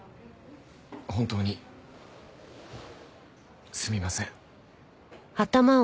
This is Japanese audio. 本当にすみません。